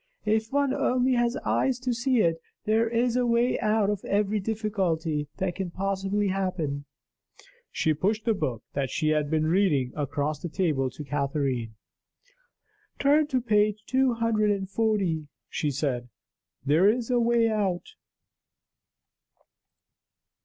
If one only has eyes to see it, there is a way out of every difficulty that can possibly happen." She pushed the book that she had been reading across the table to Catherine. "Turn to page two hundred and forty," she said. "There is the way out."